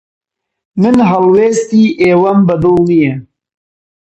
من هەڵوێستی ئێوەم بەدڵ نییە.